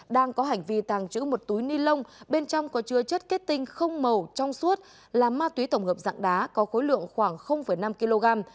đang có hành vi tàng trữ một túi ni lông bên trong có chứa chất kết tinh không màu trong suốt là ma túy tổng hợp dạng đá có khối lượng khoảng năm kg